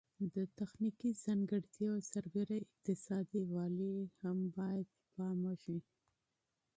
د تخنیکي ځانګړتیاوو سربیره اقتصادي والی ته هم باید پام وشي.